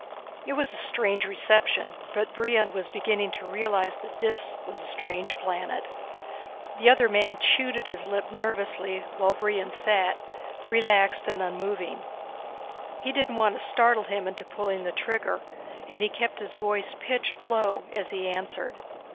It was a strange reception, but Brion was beginning to realize that Dis was a strange planet. The other man chewed at his lip nervously while Brion sat, relaxed and unmoving. He didn't want to startle him into pulling the trigger, and he kept his voice pitched low as he answered.